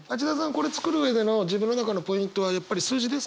これ作る上での自分の中のポイントはやっぱり数字ですか？